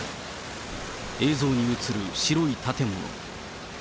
映像に映る白い建物。